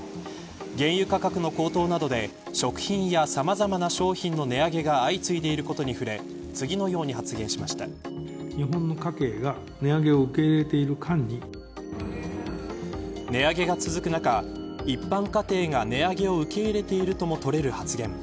原油価格の高騰などで食品やさまざまな商品の値上げが相次いでいることに触れ値上げが続く中一般家庭が値上げを受け入れているとも取れる発言。